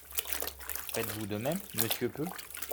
Faites-vous de même, monsieur Peu?